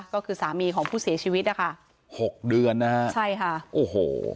ก็คือสามีของผู้เสียชีวิตนะคะหกเดือนนะฮะใช่ค่ะโอ้โห